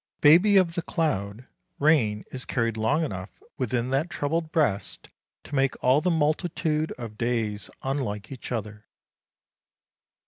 Baby of the cloud, rain is carried long enough within that troubled breast to make all the multitude of days unlike each other.